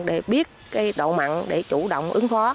để biết độ mặn để chủ động ứng phó